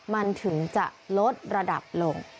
มันถึงจะลดระดับลง